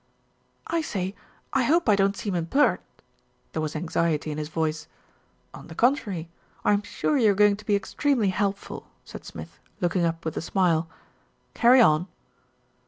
"I say, I hope I don't seem impert" There was anxiety in his voice. "On the contrary, I am sure you are going to be extremely helpful," said Smith, looking up with a smile. "Carry on."